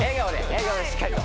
笑顔しっかりと。